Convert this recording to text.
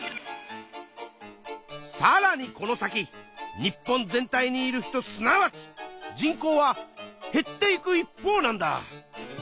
さらにこの先日本全体にいる人すなわち人口は減っていく一方なんだ。